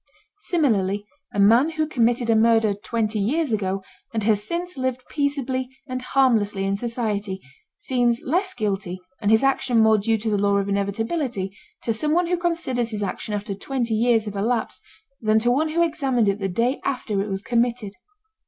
Similarly a man who committed a murder twenty years ago and has since lived peaceably and harmlessly in society seems less guilty and his action more due to the law of inevitability, to someone who considers his action after twenty years have elapsed than to one who examined it the day after it was committed.